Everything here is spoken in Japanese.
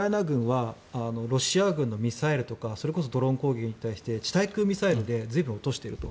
報道なんかを見るとウクライナ軍はロシア軍のミサイルとかそれこそドローン攻撃に対して地対空ミサイルで随分、落としていると。